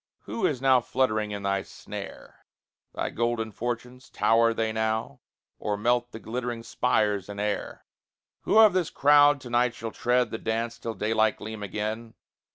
Who is now fluttering in thy snare? Thy golden fortunes, tower they now, Or melt the glittering spires in air? Who of this crowd to night shall tread The dance till daylight gleam again?